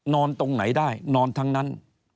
ตรงไหนได้นอนทั้งนั้น